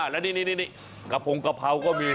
แล้วนี่กระพงกะเพราก็มี